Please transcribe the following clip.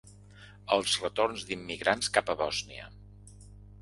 Els retorns d’immigrants cap a Bòsnia.